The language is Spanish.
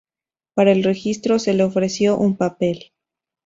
Para el registro, se le ofreció un papel.